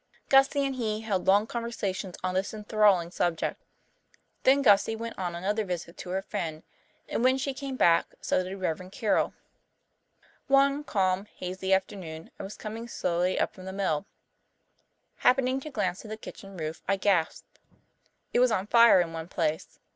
Gussie and he held long conversations on this enthralling subject. Then Gussie went on another visit to her friend, and when she came back so did Rev. Carroll. One calm, hazy afternoon I was coming slowly up from the mills. Happening to glance at the kitchen roof, I gasped. It was on fire in one place.